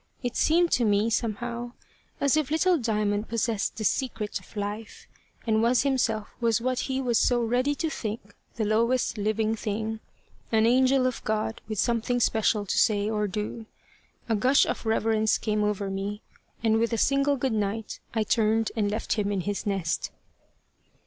It seemed to me, somehow, as if little Diamond possessed the secret of life, and was himself what he was so ready to think the lowest living thing an angel of God with something special to say or do. A gush of reverence came over me, and with a single goodnight, I turned and left him in his nest.